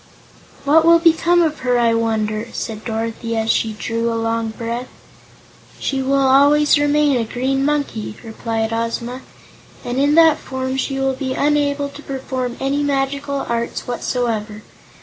"What will become of her, I wonder?" said Dorothy, as she drew a long breath. "She will always remain a Green Monkey," replied Ozma, "and in that form she will be unable to perform any magical arts whatsoever.